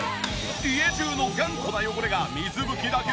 家中の頑固な汚れが水拭きだけで落ちまくり！